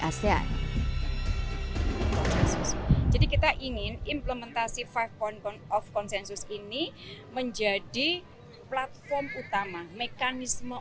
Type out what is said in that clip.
asean jadi kita ingin implementasi five point of consensus ini menjadi platform utama mekanisme